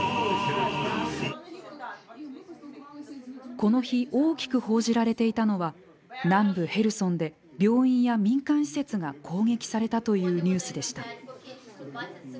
この日大きく報じられていたのは南部ヘルソンで病院や民間施設が攻撃されたというニュースでした。